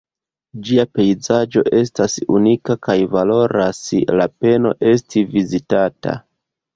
Ĝia pejzaĝo estas unika kaj valoras la peno esti vizitata.